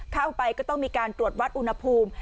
เข้าไปก็ต้องมีการตรวจวัดอุณหภูมิ